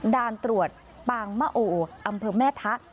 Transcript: ด่านตรวจปางมะโออำเภอแม่ทะ